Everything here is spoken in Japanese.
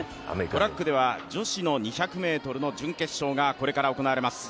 トラックでは女子の２００ｍの準決勝がこれから行われます。